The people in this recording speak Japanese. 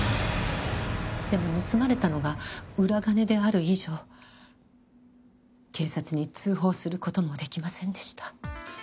でも盗まれたのが裏金である以上警察に通報する事も出来ませんでした。